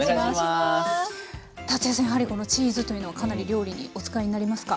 やはりチーズというのはかなり料理にお使いになりますか？